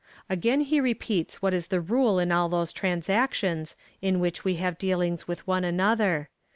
Again he repeats what is the rule in all those transactions, in which w^e have dealings with one another.